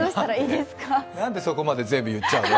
なんでそこまで全部言っちゃうの？